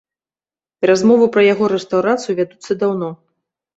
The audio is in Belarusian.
Размовы пра яго рэстаўрацыю вядуцца даўно.